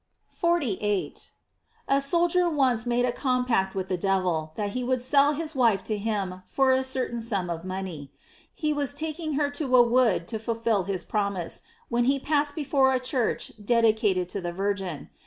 * 48. — A soldier once made a compact with the devil, that he would sell his wife to him for a certain sum of money. He was taking her to a wood to fulfil his promise, when he passed be fore a church dedicated to the Virgin.